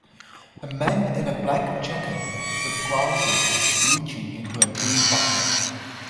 A man in a black jacket with glasses is reaching into a blue bucket.